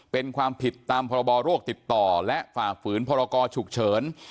เป็นความผิดตามพรบโรคติดต่อและฝ่าฝืนพรกรฉุกเฉิน